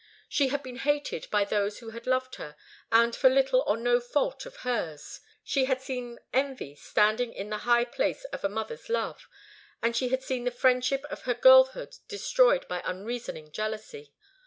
She had been hated by those who had loved her, and for little or no fault of hers. She had seen envy standing in the high place of a mother's love, and she had seen the friendship of her girlhood destroyed by unreasoning jealousy.